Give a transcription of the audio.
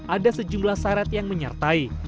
ada sejumlah syarat yang menyertai